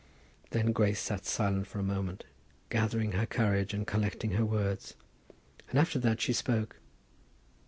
Then Grace sat silent for a moment, gathering her courage, and collecting her words; and after that she spoke.